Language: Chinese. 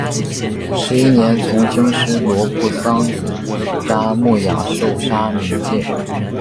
十一年从经师罗卜桑札木养受沙弥戒。